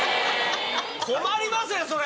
困りますねそれ。